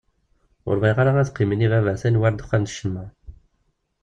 Ur bɣiɣ ara ad qqimen yibabaten war ddexxan d ccemma.